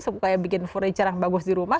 supaya bikin furniture yang bagus di rumah